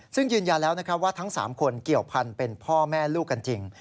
ซึ่งยืนยันแล้วว่าทั้ง๓คนเกี่ยวพันธุ์เป็นพ่อแม่ลูกกันจริง